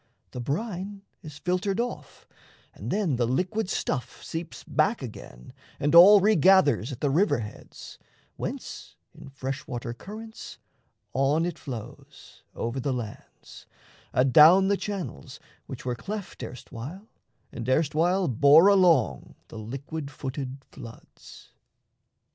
The brine is filtered off, And then the liquid stuff seeps back again And all regathers at the river heads, Whence in fresh water currents on it flows Over the lands, adown the channels which Were cleft erstwhile and erstwhile bore along The liquid footed floods.